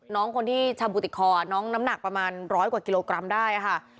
น้องคนที่ชาบูติดคอน้องน้ำหนักประมาณร้อยกว่ากิโลกรัมได้ค่ะ